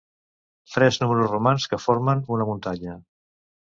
Tres números romans que formen una muntanya.